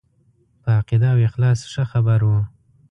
په عقیده او اخلاص ښه خبر وو.